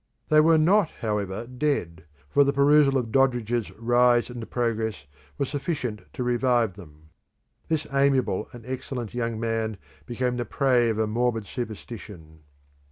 They were not, however, dead, for the perusal of Doddridge's "Rise and Progress" was sufficient to revive them. This amiable and excellent young man became the prey of a morbid superstition.